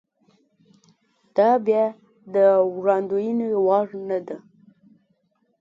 دا بیا د وړاندوېنې وړ نه ده.